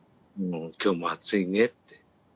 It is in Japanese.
今日も暑いねって。